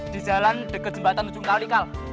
di jalan dekat jembatan ujung kali kal